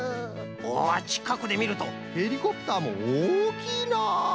おちかくでみるとヘリコプターもおおきいな。